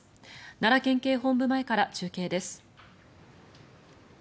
奈良県警本部前から中継です。